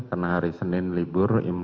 karena hari senin libur imlek